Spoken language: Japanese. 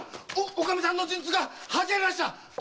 おかみさんの陣痛が始まりましたっ！